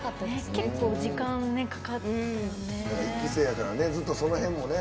結構時間かかったね。